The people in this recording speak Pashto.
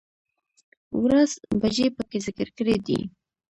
،ورځ، بجې په کې ذکر کړى دي